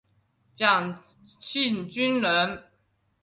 蒋庆均人。